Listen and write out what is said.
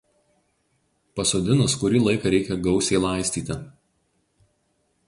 Pasodinus kurį laiką reikia gausiai laistyti.